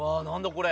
これ。